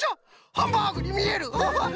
ハンバーグにみえる！